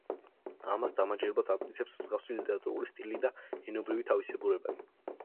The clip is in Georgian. ამას დამაჯერებლად ამტკიცებს მსგავსი ლიტერატურული სტილი და ენობრივი თავისებურებანი.